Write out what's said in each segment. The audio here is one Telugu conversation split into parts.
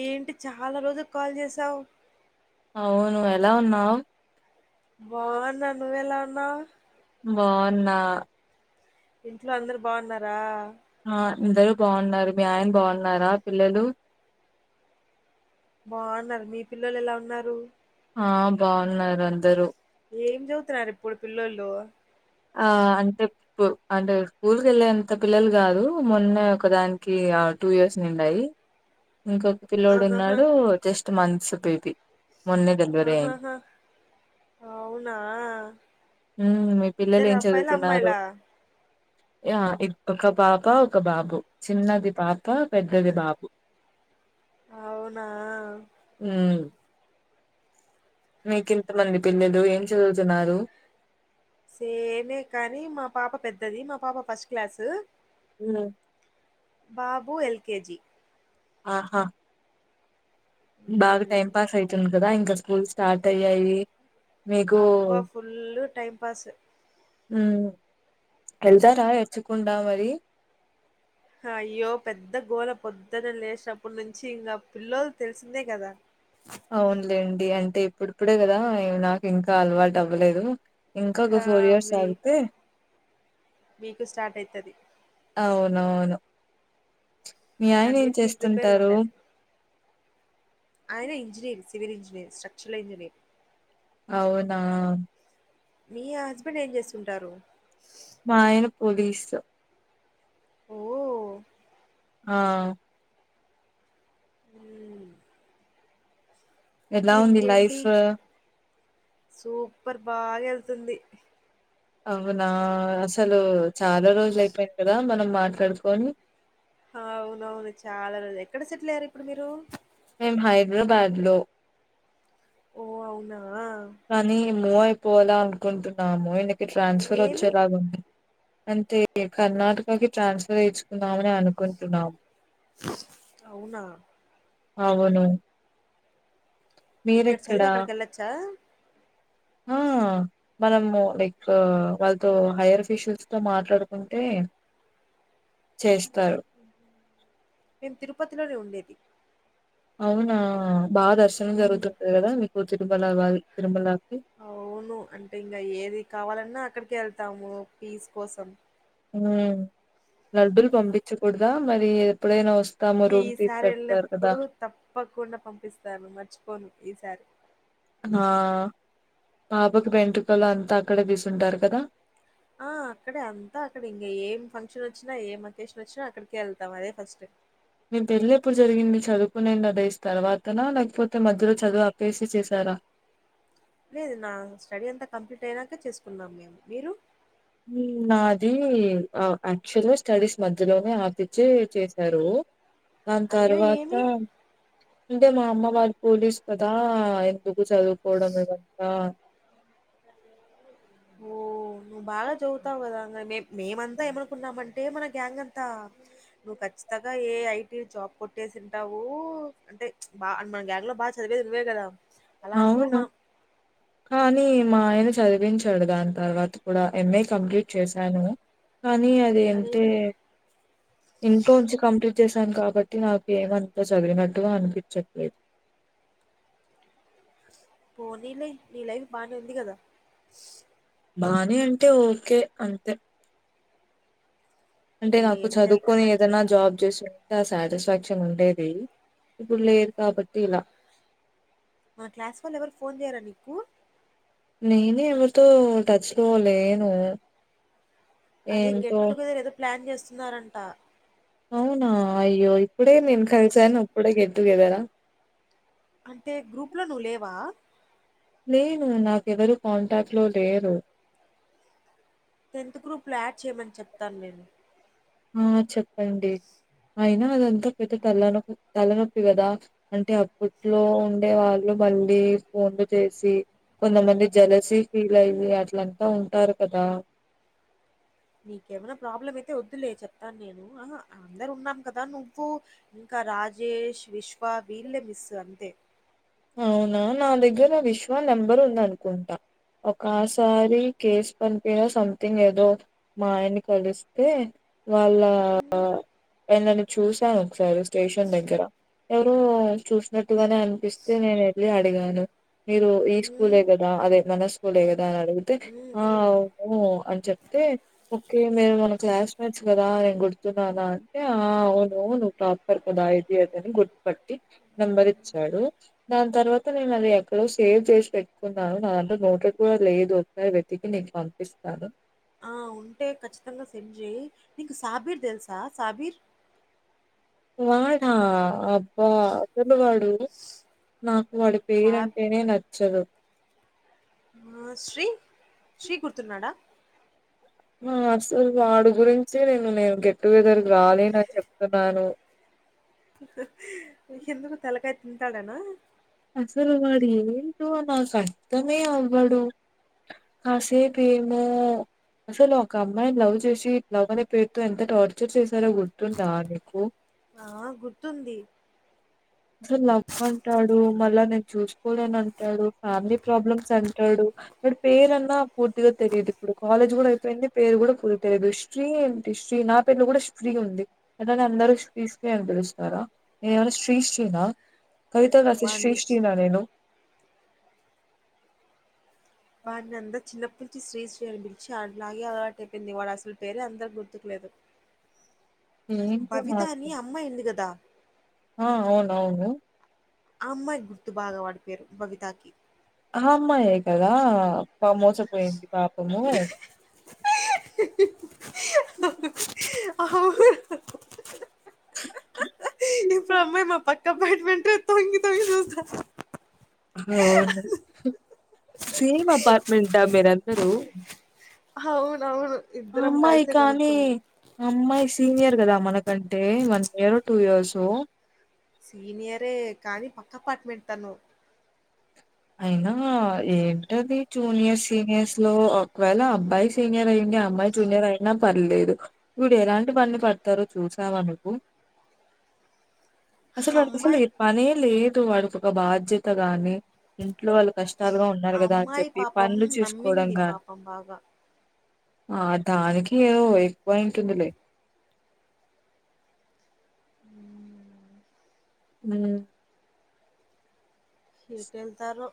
ఏంటి చాలా రోజులకు కాల్ చేశావ్ అవును ఎలా ఉన్నావు బావున్నా నువ్వు ఎలా ఉన్నావ్ బావున్నా ఇంట్లో అందరు బాగున్నారా ఆ అందరూ బాగున్నారు మీ ఆయన బాగున్నారా పిల్లలు బాగున్నారు మీ పిల్లలు ఎలా ఉన్నారు ఆ బాగున్నారు అందరూ ఏం చదువుతున్నారు ఇప్పుడు పిల్లోలు ఆ అంటే ప్ అంటే స్కూల్ కి వెళ్ళేంత పిల్లలు కాదు మొన్నే ఒకదానికి టూ ఇయర్స్ నిండాయి ఇంకొక పిల్లోడు ఆహాహా ఉన్నాడు జస్ట్ మంత్స్ బేబీ మొన్నే డెలివరీ అయింది ఆహాహా అవునా ఉమ్ మీ పిల్లలు ఇద్దరు ఏం అబ్బాయిలా చదువుతున్నారు అమ్మాయిలా య ఈ ఒక పాప ఒక బాబు చిన్నది పాప పెద్దది బాబు అవునా ఊ మీకెంతమంది పిల్లలు ఏం చదువుతున్నారు సేమే కానీ మా పాప పెద్దది మా పాప ఫస్ట్ క్లాసు ఉ బాబు ఎల్కేజి ఆహా బాగా టైం పాస్ అయితుంది కదా ఇంకా స్కూల్స్ స్టార్ట్ అయ్యాయి మీకు అబ్బ ఫుల్ టైంపాస్ ఉ ఎల్తారా ఏడ్చకుండ మరి అయ్యో పెద్ద గోల పొద్దున లేసినప్పుడు నుంచి ఇంకా పిల్లలు తెలిసిందే కదా అవునులేండి అంటే ఇప్పుడుప్పుడే కదా నాకు ఇంకా అలవాటు అవ్వలేదు ఇంకా ఒగ హా ఫోర్ ఇయర్స్ మీ ఆగితే మీకు స్టార్ట్ అయితది అవునవును మీ ఆయన ఏం అన్నిటికీ ప్రిపేర్ అయి చేస్తుంటారు ఉండాలి ఆయన engineer civil engineer structural engineer అవునా మీ హస్బెండ్ ఏం చేస్తుంటారు మాయన పోలీస్ ఓ ఆ మ్ ఎలా ఉంది ఇంకేంటి లైఫ్ [inaudible] సూపర్ బాగా వెళ్తుంది అవునా అసలు చాలా రోజులు అయిపోయింది కదా మనం మాట్లాడుకొని అవునవును చాలా రోజు ఎక్కడ సెట్ల్అయ్యారు ఇప్పుడు మీరు మేం హైదరాబాద్ లో ఓ అవునా కానీ మో అయిపోవాలా అనుకుంటున్నా ము ఇన్కి ట్రాన్స్ఫర్ ఏమి వచ్చేలాగావుంది అంటే కర్ణాటకకి ట్రాన్స్ఫర్ ఏచ్చుకుందామని అను కుంటున్నాం [inaudible] అవునా అవును ఇక్కడ చదివి మీరెక్కడా? అక్కడికి వెళ్ళచ్చా ఆ మనము లైక్ వాళ్ళతో హైయర్ ఫేషియల్స్ తో మాట్లాడుకుంటే చేస్తారు [inaudible] మేమ్ తిరుపతిలోనే ఉండేది అవునా బాగా దర్శనం మ్ జరుగుతుంది కదా మీకు తిరుమల వరి తిరుమలకి అవును అంటే ఇంకా ఏది కావాలన్నా అక్కడికె వెళ్తాము పీస్ కోసం ఉ లడ్డులు పంపించకూడదా మరి ఎప్పుడైనా వస్ ఈ సారి వెళ్ళినప్పుడు తప్పకుండా పంపిస్తాను మర్చిపోను ఈసారి ఆ పాపకు వెంట్రుకలు అంతా అక్కడే తీసుంటారు కదా ఆ అక్కడే అంతా అక్కడె ఇంకా ఏం ఫంక్షన్ వచ్చినా ఏం అకేషన్ వచ్చినా అక్కడికి వెళ్తాం అదే ఫస్ట్ నేను పెళ్ళి ఎప్పుడు జరిగింది చదువుకునేం అదేస్ తర్వాతనా లేకపోతే మధ్యలో చదువు అప్పేసి చేసారా లేదు నా స్టడీ అంతా కంప్లీట్ అయినాక చేసుకున్నాం మేము మీరు నాది యాక్చువల్గా స్టడీస్ మధ్యలోనే ఆపి చ్చి చేశారు దాని అయ్యో! తర్వాత ఏమి? అంటే మా అమ్మ వాళ్ళ పోలీస్ కదా ఎందుకు చదువుకోవడం ఇవంతా ఆ నువ్వు బాగా చదువుతావు కదా మే మేమంతా ఏమనుకున్నామంటే మన గ్యాంగ్ అంతా నువ్వు ఖచ్చితంగా ఏ ఐటీ జాబ్ కొట్టేసింటావు అంటే బా మన గ్యాంగ్ లో బా చదివేది నువ్వే కదా అవును కానీ మా ఆయన చదివించాడు దాని తర్వాత కూడా ఎంఏ కంప్లీట్ చేశాను కానీ అది అంటే మరేమి ఇంట్లో నుంచి కంప్లీట్ చేశాను కాబట్టి నాకు ఏమంతా చదివినట్టుగా అనిపించట్లేదు పోనీలే నీ లైఫ్ బానే ఉంది కదా బానే అంటే ఓకే అంతే అంటే నాకు ఇంగేం చదువుకుని జేద్దాం. ఏదైనా జాబ్ చేస ఇ సాటిస్ఫాక్షన్ ఉండేది ఇప్పుడు లేదు కాబట్టి ఇలా. [inaudible] మా క్లాస్ వాళ్ళ ఎవరు ఫోన్ చేయ్యరా నీకు నేనే ఎవరితో టచ్ లో లేను అదే ఏంటో గెట్ టుగెదర్ ఏదో ప్లాన్ చేస్తున్నారంట అవునా అయ్యో ఇప్పుడే నేను కలిసాను ఇప్పుడే గెట్టు గెదరా అంటే గ్రూప్ లో నువ్వు లేవా నేను నాకెవరు కాంటాక్ట్ లో లేరు టెన్త్ గ్రూప్లో యాడ్ చేయమని చెప్తాను నేను ఆ చెప్పండి అయినా అదంతా పెద్ద తెల్లనకు తలనొప్పి కదా అంటే అప్పట్లో ఉండే వాళ్ళు మళ్ళీ ఫోన్లు చేసి కొంతమంది జలసీ ఫీల్ అయి అట్లంతా ఉంటారు కదా నీకేమైనా ప్రాబ్లం అయితే వద్దులే చెప్తాను నేను ఆ అందరు ఉన్నాం కదా నువ్వు ఇంకా రాజేష్ విశ్వ వీళ్ళే మిస్ అంతే అవునా నా దగ్గర విశ్వా నెంబర్ ఉందనుకుంటా ఒకసారి కేసు పనిపోయినా సంథింగ్ ఏదో మా ఆయన్ని కలిస్తే వాళ్ళ హ్మ్. నన్ను చూశాను ఒకసారి స్టేషన్ దగ్గర ఎవరు చూసినట్టుగానే అనిపిస్ అయితే నేను వెళ్ళి అడిగాను మీరు ఈ హ్మ్. స్కూలే కదా అదే మన స్కూలే కదా అని అడిగితే హ్మ్. ఆ హ్మ్. అవును చెప్తే ఓకే మీరు మన క్లాస్మేట్స్ కదా నేను గుర్తున్నానా అంటే ఆ అవునువును టాపిక్ కదా అది ఇదని గుర్తుపట్టి నెంబర్ ఇచ్చాడు దాని తర్వాత నేను అది ఎక్కడో సేవ్ చేసి పెట్టుకున్నాను నా దాంట్లో నోటెడ్ కూడా లేదు వెతికి నీకు పంపిస్తాను ఆ! ఉంటే కఖచ్చితంగా చెయ్ నీకు సాబీర్ తెలుసా సాబీర్ వాడా అబ్బా అసలు వాడు నాకు వాడి పేరు సాబ్ అంటేనే నచ్చదు శ్రీ శ్రీ గుర్తున్నాడా అసల్ వాడు గురించి నేను నేను గెట్ టు గెదర్ రాలేనని చెప్తున్నాను ఎందుకు తలకాయ తింటాడానా అసలు వాడు ఏంటో నాకు అర్థమే అవ్వడు కాసేపేమో అసలు ఒక అమ్మాయిని లవ్ చేసి లవ్ అనే పేరుతో ఎంత టార్చర్ చేశాడో గుర్తుందా నీకు ఆ గుర్తుంది అసలు లవ్ అంటాడు మళ్ళా నేను చూసుకోలేని అంటాడు ఫ్యామిలీ ప్రాబ్లమ్స్ అంటాడు వాడి పేరున్నా పూర్తిగా తెలీదు ఇప్పుడు కాలేజ్ కూడా అయిపోయింది పేరు కూడా పూర్తిగా తెలియదు శ్రీ ఏంటి శ్రీ నా పేర్లు కూడా శ్రీ ఉంది అలాగే అందరు శ్రీ శ్రీ అని పిలుస్తారా నేనేమైనా శ్రీశ్రీ నా కవితలురాసే వాడిని చ్ శ్రీశ్రీనా నేను వాన్ని అంతా చిన్న పిలిచి శ్రీశ్రీ అని పిలిచి అట్లాగే అలవాటు అయిపోయింది వాడు అసలు పేరే అందరూ కి గుర్తుకులేదు ఏంటో భవిత అని నాకు అమ్మాయి ఉంది కదా ఆ అవునవును ఆ అమ్మాయి కి గుర్తు బాగా వాడి పేరు బవితాకి ఆ అమ్మాయే కదా బాగా మోసపోయింది పాపము అ హా ఇప్పుడు ఆ అమ్మాయి మా పక్క అపార్ట్మెంట్ లో తొంగి తొంగి చూస్తా ఓ సేమ్ అపార్ట్మెంటా మీరు అందరూ అవునవును ఇద్దరం కలిసే కానీ కొనుకున్నాం అమ్మాయి సీనియర్ కదా మనకంటే వన్ ఇయర్ టూ ఇయర్సో సీనియరే కానీ పక్క అపార్ట్మెంట్ తను అయినా ఏంటది జూనియర్ సీనియర్స్ లో ఒకవేళ అబ్బాయి సీనియర్ అయ్యిండి అమ్మాయి జూనియర్ అయినా పర్లేదు వీడు ఎలాంటి పనిలు పడతారో చూసావా నువ్వు అసలు ఆ వాడికి అసలు అమ్మాయి పనే లేదు వాడికి ఒక బాధ్యత గాని ఇంట్లో వాళ్ళు కష్టాలుగా ఉన్నారు ఆ కదా అని అమ్మాయి చెప్పి పాపం పనులు చూసుకోవడం నమ్మింది కానీ పాపం బాగా ఆ దానికి ఏవో ఎక్కువైటుందిలే మ్మ్. ఉమ్ ఎటెళ్తారో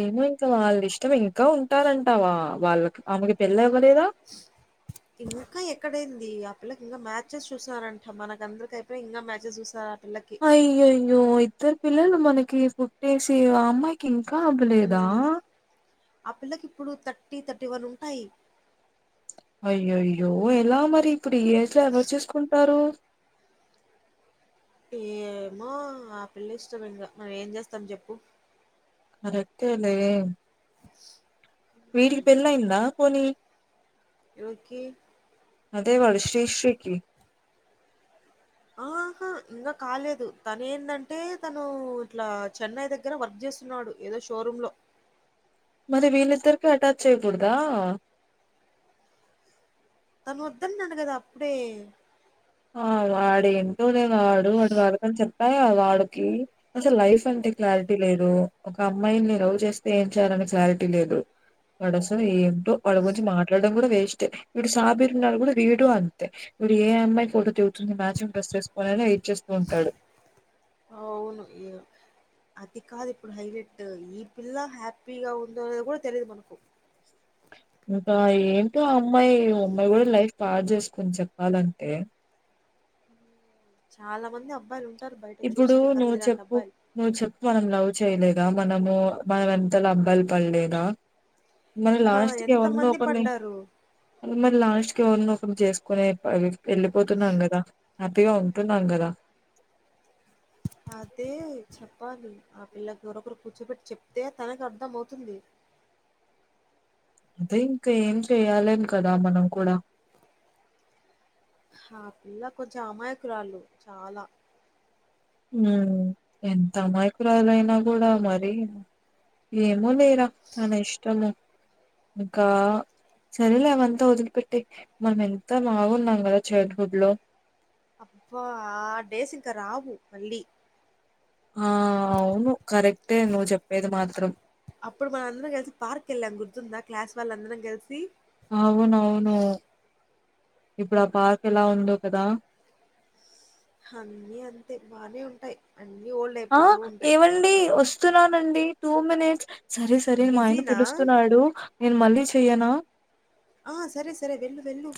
ఏమో ఇంకా వాళ్ళ ఇష్టం ఇంకా ఉంటారంటావా వాళ్ళకి ఆమెకి పెళ్లి అవ్వలేదా ఇంకా ఎక్కడైంది ఆ పిల్లకి ఇంకా మ్యాచెస్ చూసారంట మనక అందరికి అయిపోయి ఇంకా మ్యాచెస్ చూసార ఆ పిల్లకి అయ్యోయ్యో ఇద్దరు పిల్లలు మనకి పుట్టేసి ఆ అమ్మాయికి ఇంకా అవ్వలేదా హ్మ్. ఆ పిల్లకి ఇప్పుడు థర్టీ థర్టీ వన్ ఉంటాయి అయ్యోయ్యో ఎలా మరి ఇప్పుడు ఈ ఏజ్ లో ఎవరు చేసుకుంటారు ఏమో ఆ పిల్ల ఇష్టం ఇంకా మనం ఏం చేస్తాం చెప్పు మరి అంతే లే [inaudible] వీడికి పెళ్ళయిందా పోనీ ఎవరికి అదే వాడు శ్రీశ్రీకి ఆహా ఇంకా కాలేదు తను ఏందంటే తను ఇట్లా చెన్నై దగ్గర దగ్గర వర్క్ చేస్తున్నాడు ఏదో షోరూమ్ లో మరి వీళ్ళిద్దరికి అటాచ్ చేయ్యకూడదా తను వద్దన్నాడు కదా అప్పుడే ఆ వాడు ఏంటోలే వాడు వాడి వాలకం చెప్పాగా వాడికి అసలు లైఫ్ అంటే క్లారిటీ లేదు ఒక అమ్మాయినీ లవ్ చేస్తే ఏం చేయాలని క్లారిటీ లేదు వాడు అసలు ఏం వాళ్ళ గురించి మాట్లాడడం కూడా వేస్టే ఈడు సాబిర్ ఉన్న వీడు కూడా వీడు అంతే ఏ అమ్మాయి ఫోటో తిగుతుంది మ్యాచింగ్ డ్రెస్లువెసుకోనీ వెయిట్ చేస్తూ ఉంటాడు అవును ఏ అది కాదు ఇప్పుడు హైలైట్ ఈ పిల్ల హ్యాపీగా ఉందో లేదో కూడా తెలియదు మనకు ఇంకా ఏంటో ఆ అమ్మాయి అమ్మాయి కూడా లైఫ్ పాడు చేసుకుంది చెప్పాలంటే చాలా మంది అబ్బాయిలు ఉంటారు బయట ఇప్పుడు చూస్తే నువ్వు కత్తిలాంటి చెప్పు అబ్బాయిలు నువ్వు చెప్పు మనం లవ్ చేయలేద మనము మనం వెనకాల అబ్బాయిలు పడలేద మరి హా! లాస్ట్ కి ఎవరినో ఎంతమంది ఒకర్ని పడ్డారు. మరి లాస్ట్ కి ఎవరినో ఒకరి చేసుకుని వెళ్ళిపోతున్నాం కదా? హ్యాపీగా ఉంటున్నాం కదా. అదే చెప్పాలో. ఆ పిల్లకి ఎవరోకరు కూర్చోబెట్టి చెప్తే తనకి అర్థం అవుతుంది. అదే ఇంకా ఏం చేయలేం కదా మనం కూడా ఆ పిల్ల కొంచెం అమాయకురాలు చాలా మ్ ఎంత అమాయకురాలు అయినా కూడా మరీను. ఏమో లే ఇగ తన ఇష్టము ఇంకా సరేలే అవంతా వదిలిపెట్టి మనం ఎంత బాగున్నాం కదా చైల్డ్ హుడ్ లో అబ్బా ఆ డేస్ ఇంకా రావు మళ్ళీ ఆ అవును కరెక్టే నువ్వు చెప్పేది మాత్రం. అప్పుడు మన అందరం కలిసి పార్క్ వెళ్ళాం గుర్తుందా క్లాస్ వాళ్ళందరం కలిసి. అవునవును ఇప్పుడు ఆ పార్క్ ఎలా ఉందో కదా? అన్నీ అంతే బానే ఉంటాయి. అన్నీ ఓల్డే ఆ ఏమండి వస్ స్తున్నానండి టూ మినిట్స్ సరే సరే మా ఆయన బిజీనా పిలుస్తున్నాడు నేను మళ్ళీ చెయ్యనా? సరే సరే వెళ్ళు వెళ్ళు.